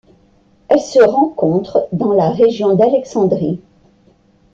Elle se rencontre dans la région d'Alexandrie.